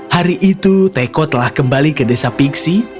hari itu teko telah kembali ke desa piksi